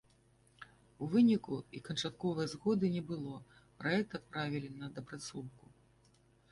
У выніку і канчатковай згоды не было, праект адправілі на дапрацоўку.